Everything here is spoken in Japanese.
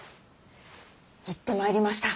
行ってまいりました。